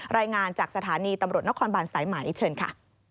รายงานจากสถานีตำรวจนครบานสายไหมเชิญค่ะ